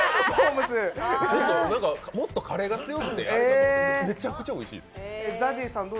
もっとカレーが強いのかと思ったら、めっちゃくちゃおいしいです。